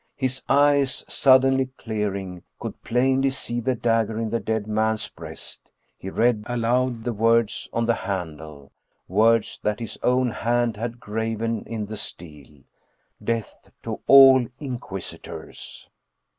His eyes, suddenly clearing, could plainly see the dagger in the dead man's breast. He read aloud the words on the handle, words that his own hand had graven in the steel :" Death to all Inquisitors